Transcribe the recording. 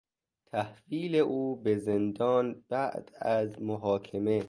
تحویل او به زندان بعد از محاکمه